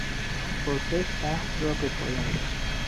آن پرسش بحث را به پایان رساند.